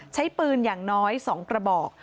ใช้ปืนอย่างน้อย๒กระบอก